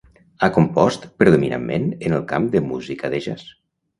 Ha compost predominantment en el camp de música de jazz.